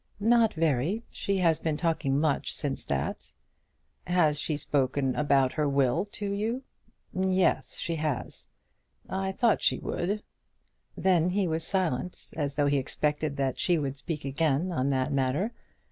"Not very. She has been talking much since that." "Has she spoken about her will to you?" "Yes; she has." "I thought she would." Then he was silent, as though he expected that she would speak again on that matter.